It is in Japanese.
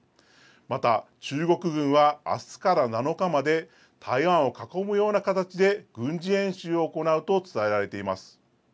また、中国軍はあすから７日まで、台湾を囲むような形で、軍事演習を行うと伝えられています。